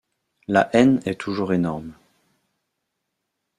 La haine est toujours énorme.